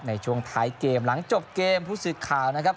ในช่วงท้ายเกมหลังจบเกมผู้สื่อข่าวนะครับ